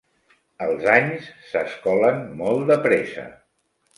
Els anys s'escolen molt de pressa.